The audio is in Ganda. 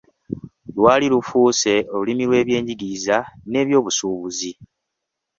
Lwali lufuuse olulimi lw'ebyenjigiriza n'ebyobusuubuzi.